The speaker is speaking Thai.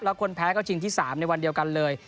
แล้วคนแพ้ก็ชิงที่๓ในวันเดียวกันเลย